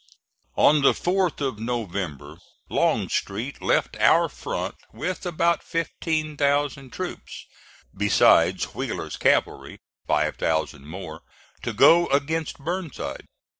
On the 4th of November Longstreet left our front with about fifteen thousand troops, besides Wheeler's cavalry, five thousand more, to go against Burnside.